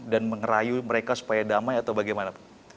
dan mengerayu mereka supaya damai atau bagaimana